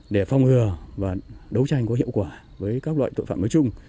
để phong ngừa và đấu tranh có hiệu quả với các loại tội phạm nói chung